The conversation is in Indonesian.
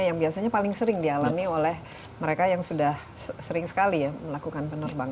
yang biasanya paling sering dialami oleh mereka yang sudah sering sekali ya melakukan penerbangan